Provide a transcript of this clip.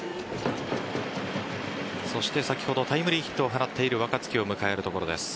そして先ほどタイムリーヒットを放っている若月を迎えるところです。